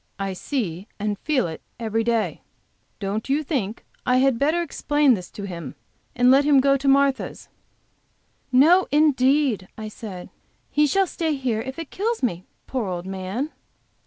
I see and feel it every day. Don't you think I had better explain this to him and let him go to Martha's?" "No, indeed!" I said. "He shall stay here if it kills me, poor old man!"